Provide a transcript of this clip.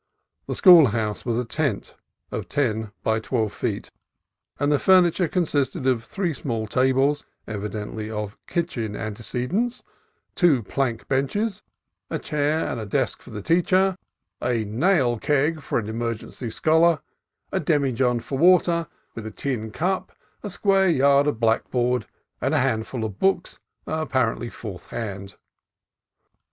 The school house was a tent of ten by twelve feet, and the furni ture consisted of three small tables, evidently of kitchen antecedents, two plank benches, a chair and IRISH HOSPITALITY 165 desk for the teacher, a nail keg for an emergency scholar, a demijohn for water, with a tin cup, a square yard of blackboard, and a handful of books, apparently fourth hand.